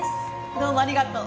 どうもありがとう